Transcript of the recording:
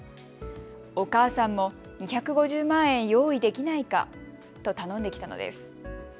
お母さんも２５０万円用意できないかと頼んできたのです。